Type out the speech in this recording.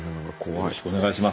よろしくお願いします。